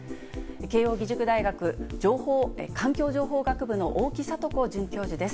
慶応義塾大学環境情報学部の大木聖子准教授です。